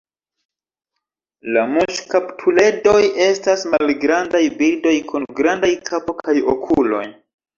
La muŝkaptuledoj estas malgrandaj birdoj kun grandaj kapo kaj okuloj.